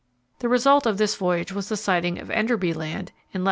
The result of this voyage was the sighting of Enderby Land in lat.